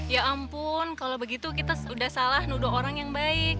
ya ampun kalau begitu kita sudah salah nuduh orang yang baik